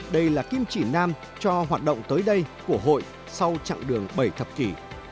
đây là kim chỉ nam cho hoạt động tới đây của hội sau chặng đường bảy thập kỷ